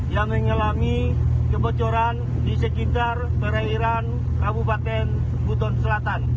yang mengalami kebocoran di sekitar perairan kabupaten buton selatan